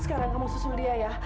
sekarang kamu susil dia ya